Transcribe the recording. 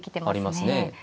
ありますね。